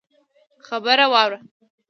خبره واوره!